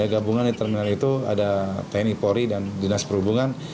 gabungan di terminal itu ada tni polri dan dinas perhubungan